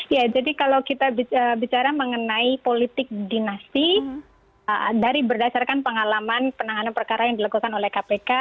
ya jadi kalau kita bicara mengenai politik dinasti dari berdasarkan pengalaman penanganan perkara yang dilakukan oleh kpk